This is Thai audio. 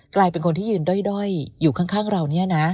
กลายเป็นคนที่ยืนด้อยอยู่ข้างเราเนี่ยนะ